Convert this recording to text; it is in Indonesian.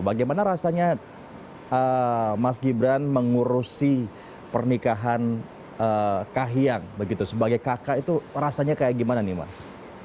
bagaimana rasanya mas gibran mengurusi pernikahan kahiyang begitu sebagai kakak itu rasanya kayak gimana nih mas